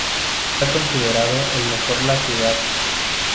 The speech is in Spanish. Está considerado el mejor la ciudad.